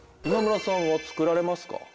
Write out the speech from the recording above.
今村さんは作られますか？